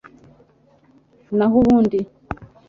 naho ubundi